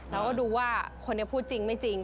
เราก็ดูว่าคนนี้พูดจริงไม่จริง